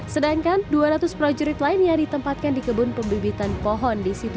sedangkan dua ratus prajurit lain yang ditempatkan di kebun pembibitan pohon di situ cisanti